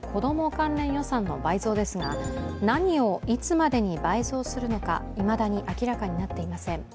関連予算の倍増ですが、何を、いつまでに倍増するのか、いまだに明らかになっていません。